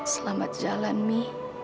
selamat jalan mi